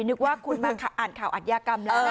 นึกว่าคุณมาอ่านข่าวอัธยากรรมแล้วนะ